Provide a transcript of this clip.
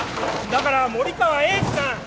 だから森川栄治さん。